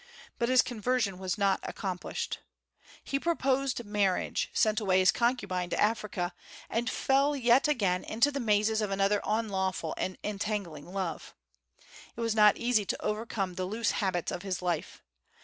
But his conversion was not accomplished. He purposed marriage, sent away his concubine to Africa, and yet fell again into the mazes of another unlawful and entangling love. It was not easy to overcome the loose habits of his life.